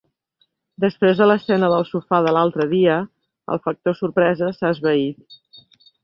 Després de l'escena del sofà de l'altre dia, el factor sorpresa s'ha esvaït.